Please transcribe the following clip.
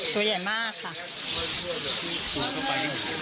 ตัวใหญ่มากค่ะ